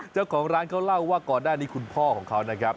เจ้าของร้านเขาเล่าว่าก่อนหน้านี้คุณพ่อของเขานะครับ